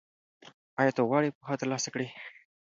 ایا ته غواړې پوهه ترلاسه کړې؟